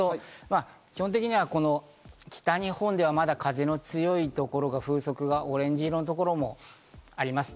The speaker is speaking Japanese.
基本的には北日本ではまだ風の強いところ、風速がオレンジ色のところもあります。